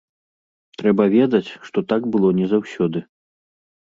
Трэба ведаць, што так было не заўсёды.